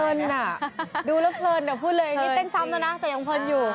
เผิ้ลอ่ะดูแล้วเผิ้ลก่อนพูดเลยนี่เต้นซ้ำตัวน่ะแต่ยังเผิ้ลอยู่